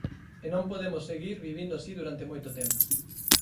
E non podemos seguir vivindo así durante moito tempo.